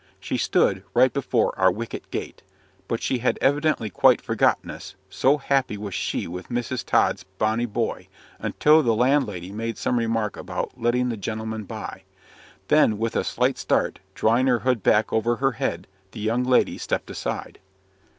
She stood right before our wicket gate; but she had evidently quite forgotten us, so happy was she with Mrs. Tod's bonny boy, until the landlady made some remark about "letting the gentlemen by." Then, with a slight start, drawing her hood back over her head, the young lady stepped aside.